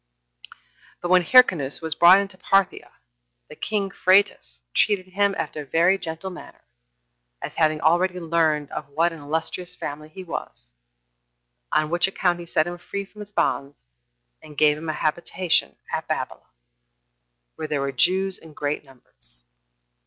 2. But when Hyrcanus was brought into Parthia the king Phraates treated him after a very gentle manner, as having already learned of what an illustrious family he was; on which account he set him free from his bonds, and gave him a habitation at Babylon, 1 where there were Jews in great numbers.